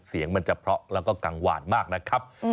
เสียงจะเข้าเผ็ดแล้วก็กลางหวานมากนะครับ